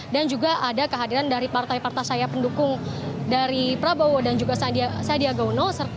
dan juga ada kehadiran dari partai partai saya pendukung dari prabowo dan juga sadia gauno